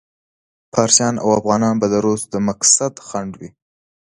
فارسیان او افغانان به د روس د مقصد خنډ وي.